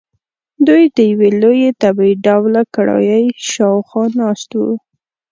دوی د یوې لویې تبۍ ډوله کړایۍ شاخوا ناست وو.